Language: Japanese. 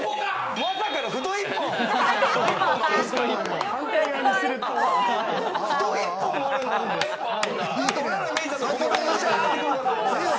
まさかの太一本！